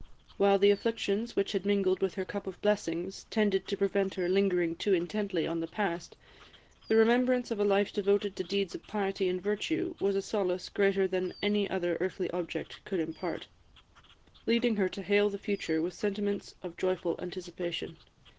While the afflictions which had mingled with her cup of blessings tended to prevent her lingering too intently on the past, the remembrance of a life devoted to deeds of piety and virtue was a solace greater than any other earthly object could impart, leading her to hail the future with sentiments of joyful anticipation.